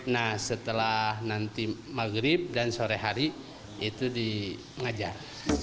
nah setelah nanti maghrib dan sore hari itu di ngajar